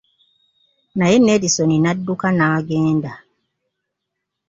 Naye Nelisoni n'adduka n'agenda.